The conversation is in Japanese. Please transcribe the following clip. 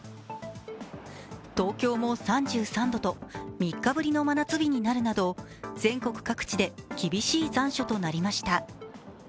東京も３３度と３日ぶりの真夏日になるなど全国各地で厳しい残暑となりました。